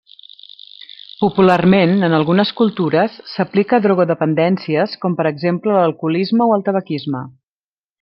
Popularment, en algunes cultures, s'aplica a drogodependències, com per exemple l'alcoholisme o el tabaquisme.